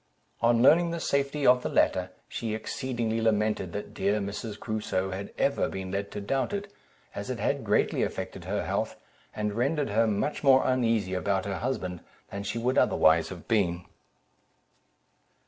On learning the safety of the latter, she exceedingly lamented that dear Mrs. Crusoe had ever been led to doubt it, as it had greatly affected her health, and rendered her much more uneasy about her husband, than she would otherwise have been.